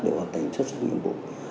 để hoạt thành xuất sắc nhiệm vụ